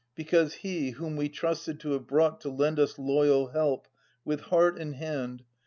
Because he, whom we trusted to have brought To lend us loyal help with heart and hand.